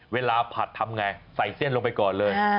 เวลาผัดทำอย่างไรใส่เส้นลงไปก่อนเลย